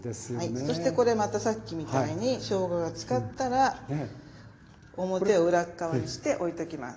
そしてこれまたさっきみたいにしょうががつかったら表を裏側にしておいときます。